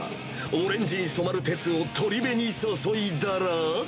オレンジに染まる鉄を取鍋に注いだら。